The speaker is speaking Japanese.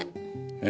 え？